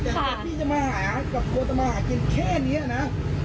แต่ว่าพี่จะมาหากับคนจะมาหากันแค่เนี้ยนะ